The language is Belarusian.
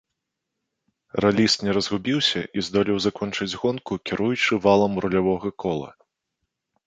Раліст не разгубіўся і здолеў закончыць гонку, кіруючы валам рулявога кола.